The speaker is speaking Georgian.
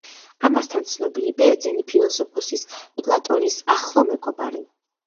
ამასთან ცნობილი ბერძენი ფილოსოფოსის, პლატონის ახლო მეგობარი.